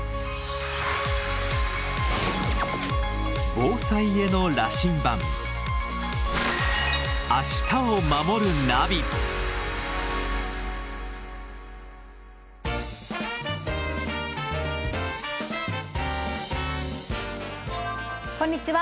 防災への羅針盤こんにちは。